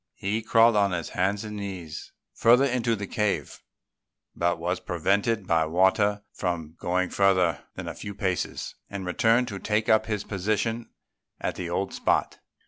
He crawled on his hands and knees further into the cave, but was prevented by water from going further than a few paces, and returned to take up his position at the old spot.